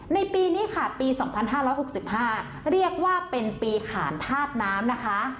ในปีนี้ค่ะปี๒๕๖๕เรียกว่าเป็นปีขานธาตุน้ำนะคะ